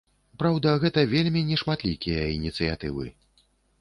Праўда, гэта вельмі нешматлікія ініцыятывы.